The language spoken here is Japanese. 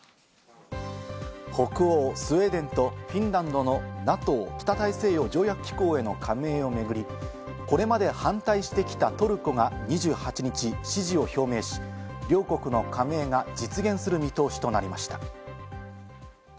北欧・スウェーデンとフィンランドのＮＡＴＯ＝北大西洋条約機構への加盟をめぐり、これまで反対してきたトルコが２８日支持を表明し、両国の加盟が実現する見通しとなりました。